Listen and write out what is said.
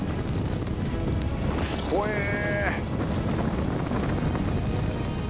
「怖え！」